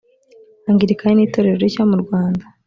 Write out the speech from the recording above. angilikani nitorero rishya murwanda.